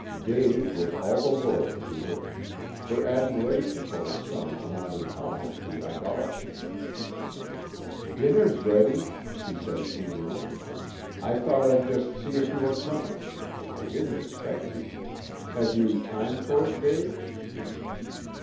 Dave was all the world to her. Her admiration for her son amounted almost to idolatry. "Dinner's ready," she said eagerly. "I thought I'd just see if you were coming. I didn't expect you. Have you time for it, Dave?"